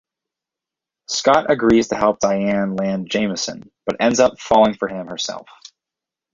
Scott agrees to help Dianne land Jamison, but ends up falling for her himself.